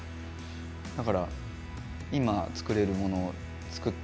だから今作れるものを作って。